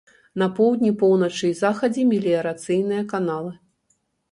На поўдні, поўначы і захадзе меліярацыйныя каналы.